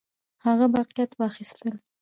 هغه باقیات واخیستل.